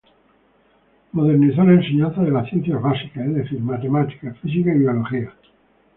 Modernizó la enseñanza de las ciencias básicas, es decir matemática, física y biología.